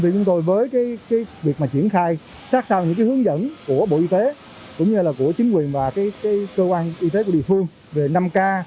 chúng tôi với việc triển khai sát sao những hướng dẫn của bộ y tế cũng như là của chính quyền và cơ quan y tế của địa phương về năm k